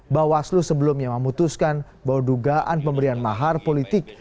bawaslu sebelumnya memutuskan bahwa dugaan pemberian mahar politik